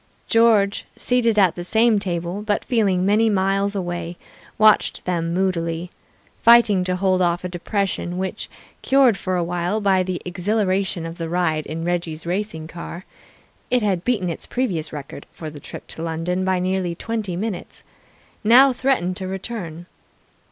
George, seated at the same table, but feeling many miles away, watched them moodily, fighting to hold off a depression which, cured for a while by the exhilaration of the ride in Reggie's racing car (it had beaten its previous record for the trip to London by nearly twenty minutes), now threatened to return.